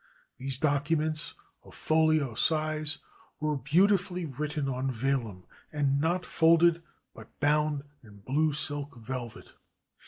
These documents, of folio size, were beautifully written on vellum, and not folded, but bound in blue silk velvet.